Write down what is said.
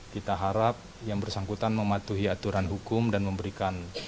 kita harap yang bersangkutan mematuhi aturan hukum dan memberikan